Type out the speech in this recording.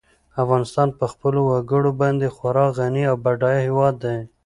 افغانستان په خپلو وګړي باندې خورا غني او بډای هېواد دی.